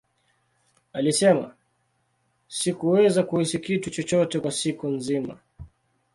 Alisema, Sikuweza kuhisi kitu chochote kwa siku nzima.